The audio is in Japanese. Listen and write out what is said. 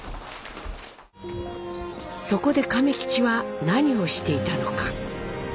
そこで亀吉は何をしていたのか？